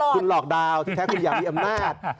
คุณหลอกเต๋าจริงแท้คุณอยากมีอำนาจ